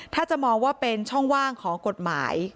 ถ้าจะมองว่าเป็นช่องว่างของกฎหมาย